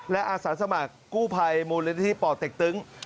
และอาสารสมัครกู้ภัยมูลเรือนที่ป่อตเต็กตึ้ง